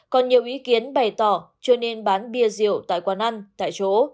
còn nhiều ý kiến bày tỏ chưa nên bán bia rượu tại quán ăn tại chỗ